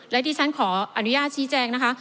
และที่ฉันขออนุญาตชี้แจงนะคะ